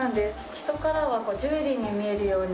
人からはジュエリーに見えるように。